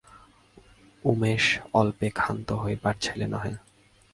উমেশ অল্পে ক্ষান্ত হইবার ছেলে নহে।